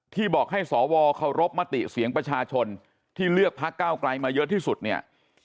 บอกให้สวเคารพมติเสียงประชาชนที่เลือกพักเก้าไกลมาเยอะที่สุดเนี่ย